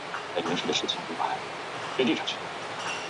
线粒体嵴的形成增大了线粒体内膜的表面积。